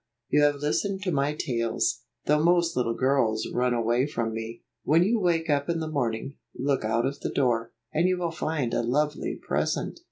You have listened to my tales, though most little girls run away from me. When you wake up in the morning, look out of the door, and you will find a lovely present."